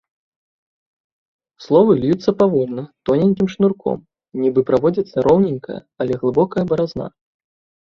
Словы льюцца павольна, тоненькім шнурком, нібы праводзіцца роўненькая, але глыбокая баразна.